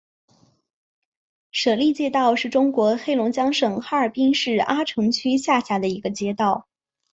舍利街道是中国黑龙江省哈尔滨市阿城区下辖的一个街道。